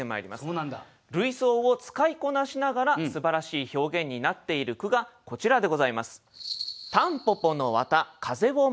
類想を使いこなしながらすばらしい表現になっている句がこちらでございます。